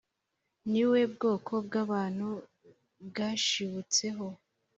ni we ubwoko bw’abantu bwashibutseho;